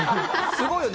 すごいよね。